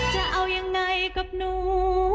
จะเอายังไงกับหนู